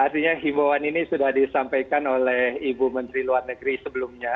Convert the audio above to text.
artinya himbauan ini sudah disampaikan oleh ibu menteri luar negeri sebelumnya